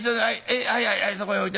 はいはいはいそこへ置いて。